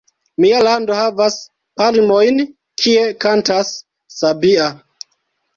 Mia lando havas palmojn, Kie kantas sabia!